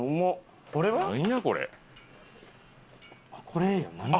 これ。